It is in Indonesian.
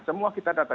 semua kita data